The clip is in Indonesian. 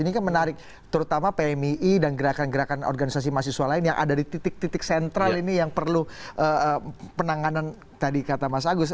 ini kan menarik terutama pmii dan gerakan gerakan organisasi mahasiswa lain yang ada di titik titik sentral ini yang perlu penanganan tadi kata mas agus